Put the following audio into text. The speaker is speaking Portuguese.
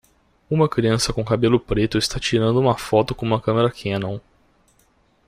Uma criança com cabelo preto está tirando uma foto com uma câmera Canon.